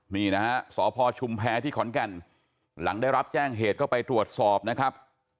นี่นะฮะสพชุมแพรที่ขอนแก่นหลังได้รับแจ้งเหตุก็ไปตรวจสอบนะครับ